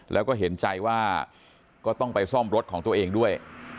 แล้วก็เห็นใจว่าก็ต้องไปซ่อมรถของตัวเองด้วย